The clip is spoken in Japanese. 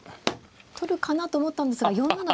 取るかなと思ったんですが４七馬でした。